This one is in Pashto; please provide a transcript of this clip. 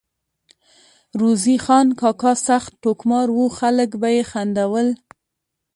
روزې خان کاکا سخت ټوکمار وو ، خلک به ئی خندول